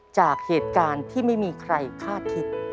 จากเหตุการณ์ที่ไม่มีใครคาดคิด